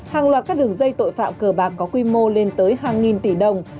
hàng loạt các đường dây tội phạm cờ bạc có quy mô lên tới hàng nghìn tỷ đồng